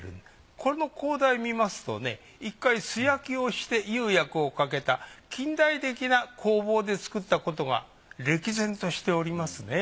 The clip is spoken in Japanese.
この高台見ますとね１回素焼きをして釉薬をかけた近代的な工房で作ったことが歴然としておりますね。